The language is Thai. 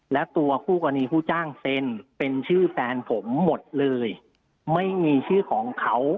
แล้วตัวคู่กรณีผู้จ้างเซ็นเป็นชื่อแฟนผมหมดเลยไม่มีชื่อของเขา